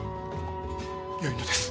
よいのです。